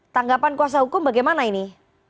tanggapan kuasa hukum bagaimana ini